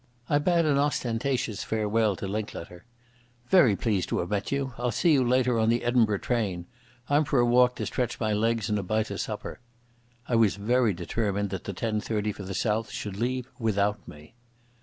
I bade an ostentatious farewell to Linklater. "Very pleased to have met you. I'll see you later on the Edinburgh train. I'm for a walk to stretch my legs, and a bite o' supper." I was very determined that the ten thirty for the south should leave without me.